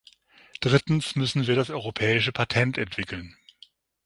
Drittens müssen wir das europäische Patent entwickeln.